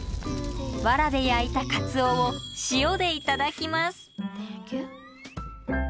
わらで焼いたカツオを塩で頂きます。